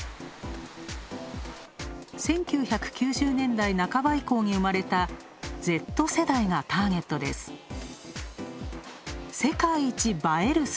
１９９０年代半ば以降に生まれたＺ世代がターゲットです。